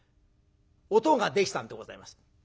男ができたんでございます。